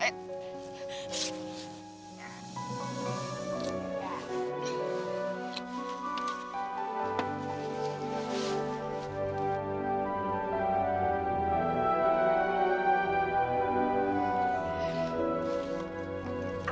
aku kesana dulu ya